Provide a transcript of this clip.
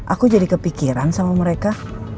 aku jadi kepikiran sama mereka